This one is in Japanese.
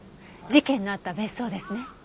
事件のあった別荘ですね？